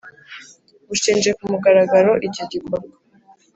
mushinje ku mugararagaro icyo gikorwa